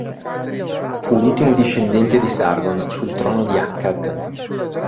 Fu l'ultimo discendente di Sargon sul trono di Akkad.